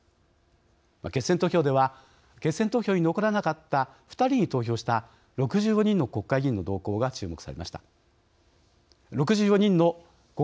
決選投票では決選投票に残らなかった２人に投票した６４人の国会議員の動向が注目されました。